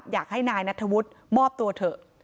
อยากให้นายนัทธวุฒิมอบตัวเถอะ